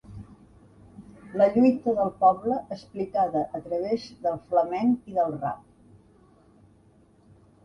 La lluita del poble, explicada a través del flamenc i del rap.